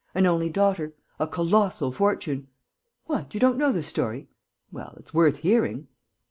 An only daughter. A colossal fortune.... What! You don't know the story? Well, it's worth hearing."